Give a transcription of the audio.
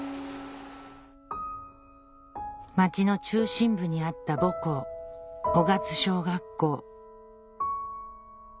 町の中心部にあった母校雄勝小学校